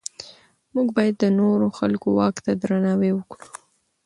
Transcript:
موږ باید د نورو خلکو واک ته درناوی وکړو.